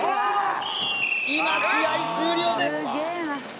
今試合終了です